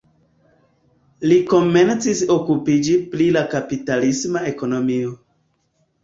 Li komencis okupiĝi pri la kapitalisma ekonomio.